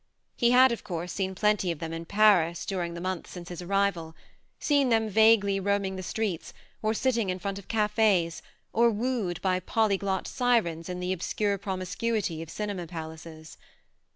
He had, of course, seen plenty of them in Paris during the 84 THE MARNE months since his arrival; seen them vaguely roaming the streets, or sitting in front of cafe's, or wooed by polyglot sirens in the obscure promiscuity of cinema palaces.